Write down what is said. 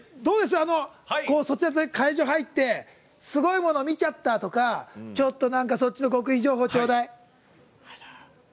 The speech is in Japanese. そちらで会場入ってすごいもの見ちゃったとかちょっと、そっちの極秘情報ちょうだい。